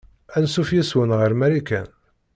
Anṣuf yes-wen ɣer Marikan.